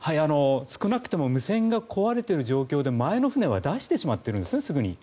少なくとも無線が壊れている状況ですぐに前の船を出してしまっているんですね。